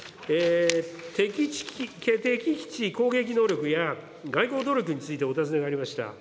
敵基地攻撃能力や外交努力についてお尋ねがありました。